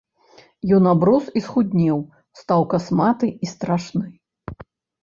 Ён аброс і схуднеў, стаў касматы і страшны.